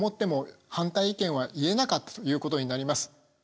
反対意見は言えなかったということになります。